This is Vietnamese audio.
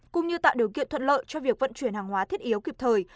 cũng như tạo điều kiện thuận lợi cho việc vận chuyển hàng hóa thiết yếu kịp thời